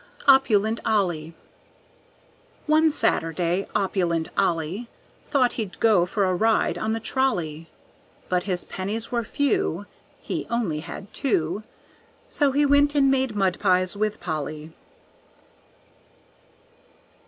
Opulent Ollie One Saturday opulent Ollie Thought he'd go for a ride on the trolley; But his pennies were few, He only had two, So he went and made mud pies with Polly.